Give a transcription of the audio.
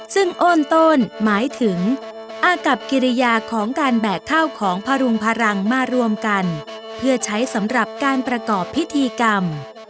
ซึ่งโอนโต้นหมายถึงอากับกิริยาของการแบกข้าวของพรุงพลังมารวมกันเพื่อใช้สำหรับการประกอบพิธีกรรม